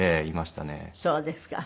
そうですか。